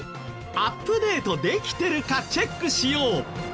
アップデートできてるかチェックしよう！